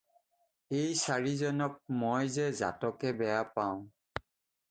এই চাৰিজনক মই যে জাতকে বেয়া পাওঁ